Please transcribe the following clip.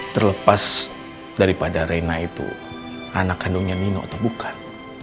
terlepas daripada reina itu anak kandungnya nino atau bukan